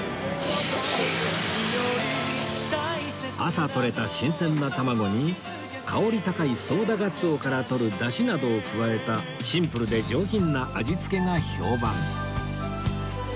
朝とれた新鮮な卵に香り高いソウダガツオから取る出汁などを加えたシンプルで上品な味付けが評判